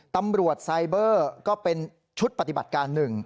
ตำรวจไซเบอร์ก็เป็นชุดปฏิบัติการหนึ่ง